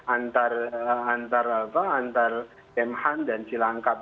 antara kemenhan dan cilangkap